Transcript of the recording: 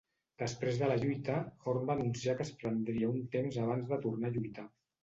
Després de la lluita, Horn va anunciar que es prendria un temps abans de tornar a lluitar.